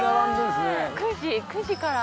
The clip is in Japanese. ９時９時から。